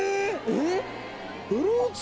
えっ？